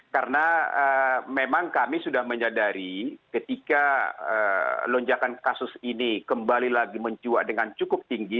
karena memang kami sudah menyadari ketika lonjakan kasus ini kembali lagi mencua dengan cukup tinggi